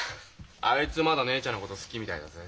あいつまだ姉ちゃんのこと好きみたいだぜ。